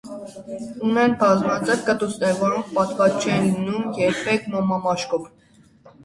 Ունեն բազմաձև կտուցներ, որոնք պատված չեն լինում երբեք մոմամաշկով։